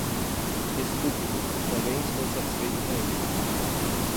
Estúpido, também estou satisfeito com isso.